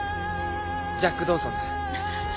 ジャック・ドーソンだ。